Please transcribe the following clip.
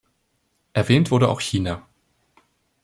Erwähnt wurde auch China.